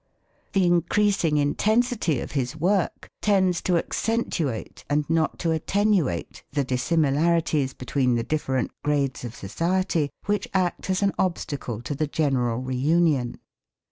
The increasing intensity of his work tends to accentuate and not to attenuate the dissimilarities between the different grades of society, which act as an obstacle to the general reunion.